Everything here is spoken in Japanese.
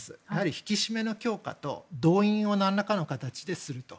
引き締めの強化と動員を何らかの形ですると。